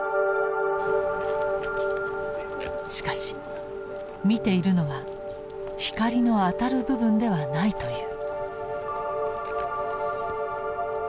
しかし見ているのは「光の当たる部分」ではないという。